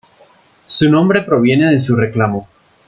Su nombre proviene de su reclamo.